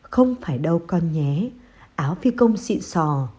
không phải đâu con nhé áo phi công xịn sò